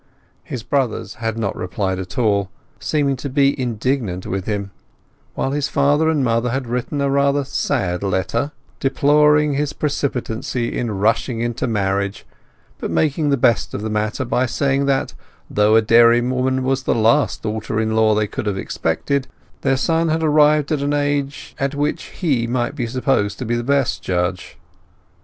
His brothers had not replied at all, seeming to be indignant with him; while his father and mother had written a rather sad letter, deploring his precipitancy in rushing into marriage, but making the best of the matter by saying that, though a dairywoman was the last daughter in law they could have expected, their son had arrived at an age which he might be supposed to be the best judge.